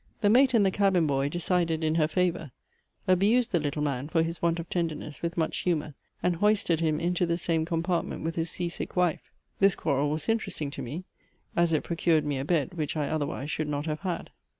The mate and the cabin boy decided in her favour, abused the little man for his want of tenderness with much humour, and hoisted him into the same compartment with his sea sick wife. This quarrel was interesting to me, as it procured me a bed, which I otherwise should not have had.